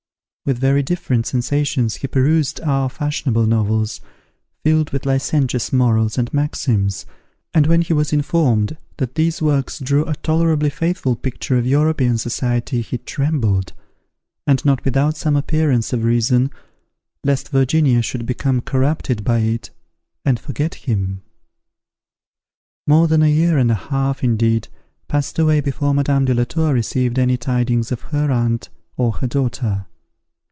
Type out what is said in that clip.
With very different sensations he perused our fashionable novels, filled with licentious morals and maxims, and when he was informed that these works drew a tolerably faithful picture of European society, he trembled, and not without some appearance of reason, lest Virginia should become corrupted by it, and forget him. More than a year and a half, indeed, passed away before Madame de la Tour received any tidings of her aunt or her daughter.